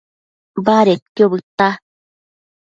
Badedquio bëdta